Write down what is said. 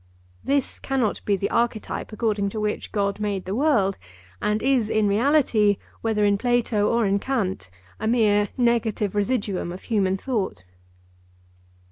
This cannot be the archetype according to which God made the world, and is in reality, whether in Plato or in Kant, a mere negative residuum of human thought.